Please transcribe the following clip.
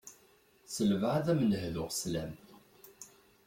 S lbeɛd am n-hduɣ slam.